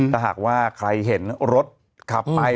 ถ้าหากว่าใครเห็นรถขับไป